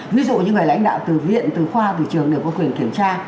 ví dụ như người lãnh đạo từ viện từ khoa từ trường đều có quyền kiểm tra